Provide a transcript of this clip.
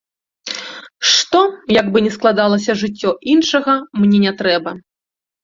Што, як бы ні складалася жыццё, іншага мне не трэба.